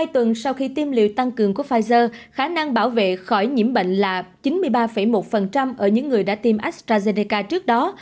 hai tuần sau khi tiêm liều tăng cường của pfizer khả năng bảo vệ khỏi nhiễm bệnh là chín mươi ba một ở những người đã tiêm astrazeneca trước đó